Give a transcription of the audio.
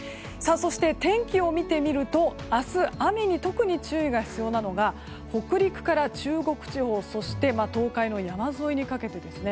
そして、天気を見てみると明日雨に特に注意が必要なのが北陸から中国地方そして東海の山沿いにかけてですね。